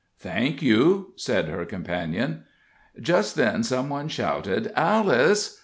"Thank you," said her companion. Just then some one shouted "Alice!"